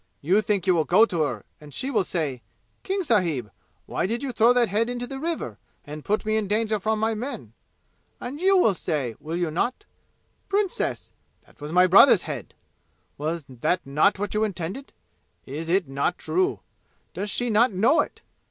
You think you will go to her, and she will say, 'King sahib, why did you throw that head into the river, and put me in danger from my men?' And you will say, will you not, 'Princess, that was my brother's head!'? Was that not what you intended? Is it not true? Does she not know it?